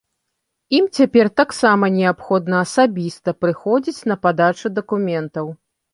Ім цяпер таксама неабходна асабіста прыходзіць на падачу дакументаў.